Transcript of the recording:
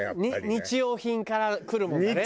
日用品から来るものだね。